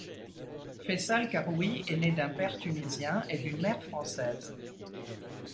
Fayçal Karoui est né d'un père tunisien et d'une mère française.